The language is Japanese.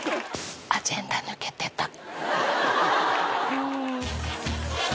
アジェンダ抜けてた。